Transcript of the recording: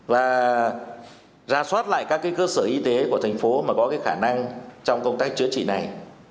và ra soát lại các cơ sở y tế của thành phố mà có cái khả năng trong công tác chữa trị này